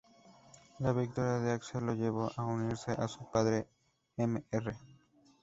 La victoria de Axel lo llevó a unirse a su padre "Mr.